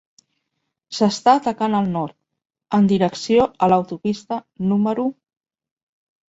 S'està atacant el nord, en direcció a l'autopista número